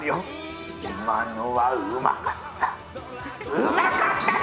うまかったぞ！